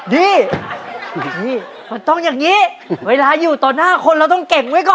นี่นี่มันต้องอย่างนี้เวลาอยู่ต้นห้าคนนี้